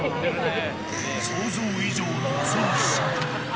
想像以上の恐ろしさ。